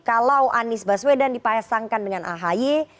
kalau anies baswedan dipasangkan dengan ahy